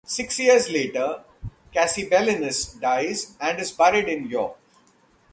Six years later, Cassibelanus dies and is buried in York.